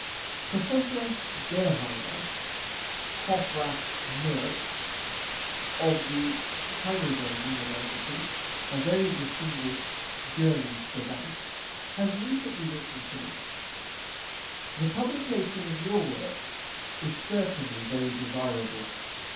Professor Geheimer Hofrath Merx, of the Heidelberg University, a very distinguished German savant, has recently written to me : The publication of your work is certainly very desirable.